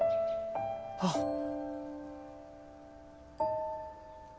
あっ！